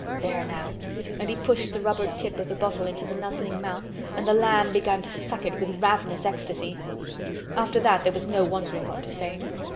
There now," and he pushed the rubber tip of the bottle into the nuzzling mouth and the lamb began to suck it with ravenous ecstasy. After that there was no wondering what to say.